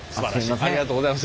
ありがとうございます。